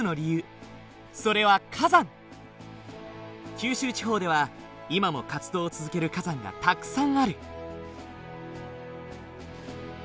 九州地方では今も活動を続ける火山がたくさんある。